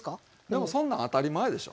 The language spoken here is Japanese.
でもそんなん当たり前でしょ。